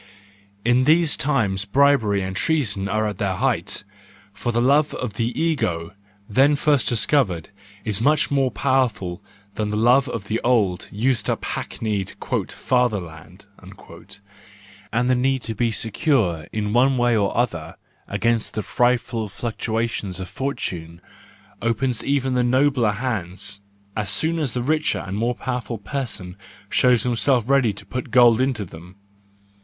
In these times bribery and treason are at their height: for the love of the ego, then first discovered, is much more powerful than the love of the old, used up, hackneyed "father land" ; and the need to be secure in one way or other against the frightful fluctuations of fortune, opens even the nobler hands, as soon as a richer and more powerful person shows himself ready to put gold into them.